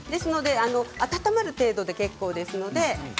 温まる程度で結構ですので。